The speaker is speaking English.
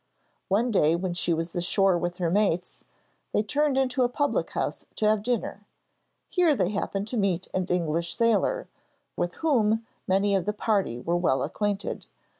One day when she was ashore with her mates, they turned into a public house to have dinner. Here they happened to meet an English sailor, with whom many of the party were well acquainted.